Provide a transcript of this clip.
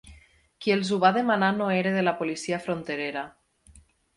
Qui els ho va demanar no era de la policia fronterera.